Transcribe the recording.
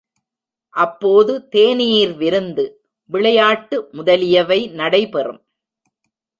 அப்போது தேனீர்விருந்து, விளையாட்டு முதலியவை நடைபெறும்.